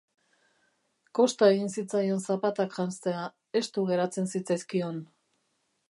Kosta egin zitzaion zapatak janztea, estu geratzen zitzaizkion.